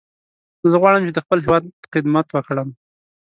زه غواړم چې د خپل هیواد خدمت وکړم.